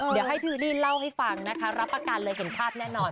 เดี๋ยวให้พี่วูดี้เล่าให้ฟังนะคะรับประกันเลยเห็นภาพแน่นอน